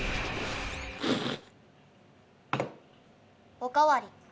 おかわり。